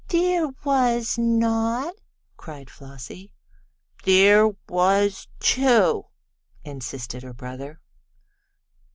"There was not!" cried Flossie. "There was too!" insisted her brother.